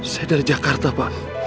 saya dari jakarta pak